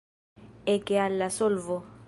Eke al la solvo!